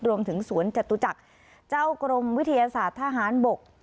รวมถึงสวนจตุจักรเจ้ากรมวิทยาศาสตร์ทหารบก